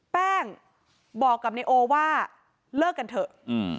แป้งบอกกับนายโอว่าเลิกกันเถอะ